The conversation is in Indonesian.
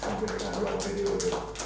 dan berikan doa kepada jokowi dodo